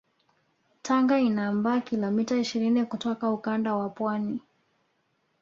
Tanga inaambaa kilomita ishirini kutoka ukanda wa pwani